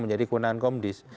menjadi kewenangan komdis